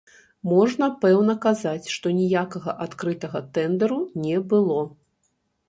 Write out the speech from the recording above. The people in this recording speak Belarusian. Можна пэўна казаць, што ніякага адкрытага тэндэру не было.